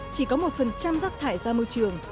chỉ có một phần trăm rác thải ra môi trường